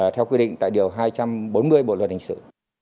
theo quy định tại điều hai trăm bốn mươi bộ luật hình sự